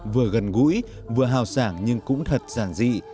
vừa gần gũi vừa hào sảng nhưng cũng thật giản dị